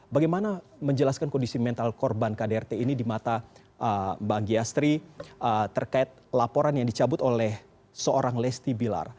bagaimana menjelaskan kondisi mental korban kdrt ini di mata mbak anggiastri terkait laporan yang dicabut oleh seorang lesti bilar